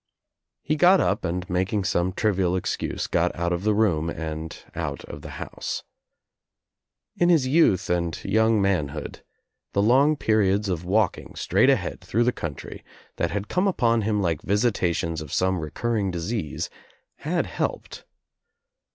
He got up and making some trivial excuse got out of the room and out of the house. In his youth and young manhood the long periods of walking straight ahead through the country, that had come upon him like visitations of some recurring disease, had helped.